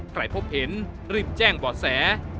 พบเห็นรีบแจ้งบ่อแส